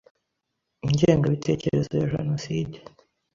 ingengabitekerezo ya jenocide